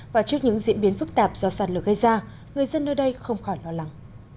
và trước những diễn biến phức tạp do sạt lửa gây ra người dân nơi đây không khỏi lo lắng